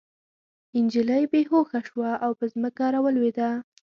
نجلۍ بې هوښه شوه او په ځمکه راولوېده